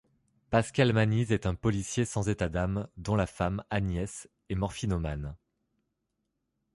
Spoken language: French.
Pascal Manise est un policier sans états d'âme, dont la femme, Agnès, est morphinomane.